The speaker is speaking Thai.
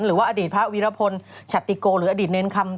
หรือว่าอดีตพระวีรพลชัตติโกหรืออดีตเนรคำ